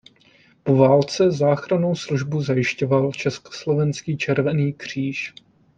Po válce záchrannou službu zajišťoval Československý červený kříž.